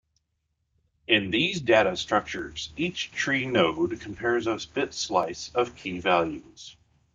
In these data structures each tree node compares a bit slice of key values.